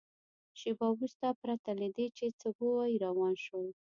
شېبه وروسته پرته له دې چې څه ووایي روان شول.